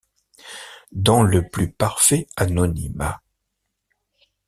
dans le plus parfait anonymat.